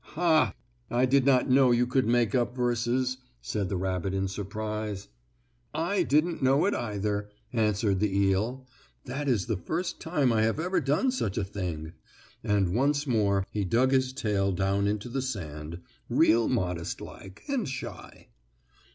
"Ha, I did not know you could make up verses," said the rabbit in surprise. "I didn't know it, either," answered the eel. "That is the first time I have ever done such a thing," and once more he dug his tail down into the sand, real modest like and shy.